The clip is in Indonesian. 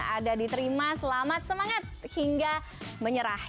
ada diterima selamat semangat hingga menyerah